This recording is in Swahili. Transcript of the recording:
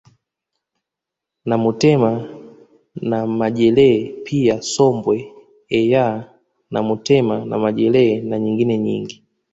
Namutema na majelee pia sombwe eyaaa namutema na majele na nyingine nyingi